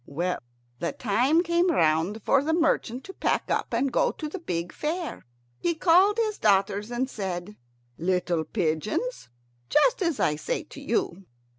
Well, the time came round for the merchant to pack up and go to the big fair. He called his daughters, and said, "Little pigeons," just as I say to you.